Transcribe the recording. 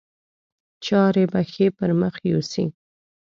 چارې به ښې پر مخ یوسي.